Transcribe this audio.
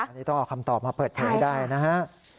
อันนี้ต้องเอาคำตอบมาเปิดเผยให้ได้นะฮะ